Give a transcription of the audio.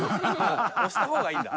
押した方がいいんだ。